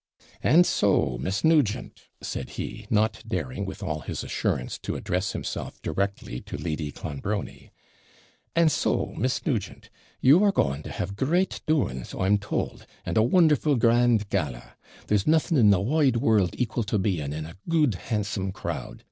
'And so, Miss Nugent,' said he, not daring, with all his assurance, to address himself directly to Lady Clonbrony 'and so, Miss Nugent, you are going to have great doings, I'm told, and a wonderful grand gala. There's nothing in the wide world equal to being in a good, handsome crowd.